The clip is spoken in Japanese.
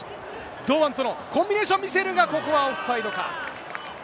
堂安とのコンビネーション見せるが、ここはオフサイドか。